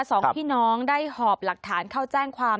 สองพี่น้องได้หอบหลักฐานเข้าแจ้งความ